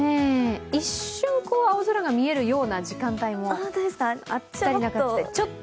一瞬、青空が見えるような時間帯もあったりなかったり。